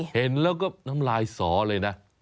เห็นแล้วก็น้ำลายสอเลยนะ